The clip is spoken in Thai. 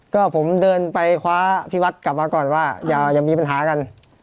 ก็ผมเดินไปคว้าที่วัดกลับมาก่อนว่าอย่ามีปัญหากัน